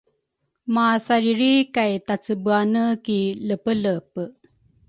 mathariri kay tacebeane ki lepelepe.